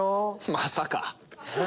まさか。